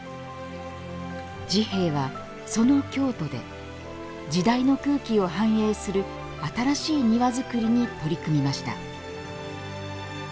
治兵衛は、その京都で時代の空気を反映する新しい庭造りに取り組みました。